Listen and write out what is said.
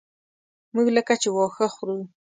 موږ لکه چې واښه خورو.